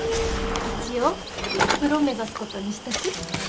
一応プロ目指すことにしたし。